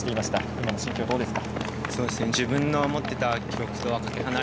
今の心境はどうですか。